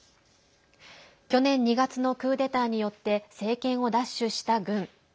去年２月のクーデターによって政権を奪取した軍。